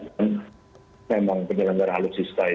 dan memang penjelajaran alusista itu